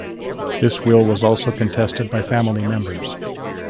This will was also contested by family members.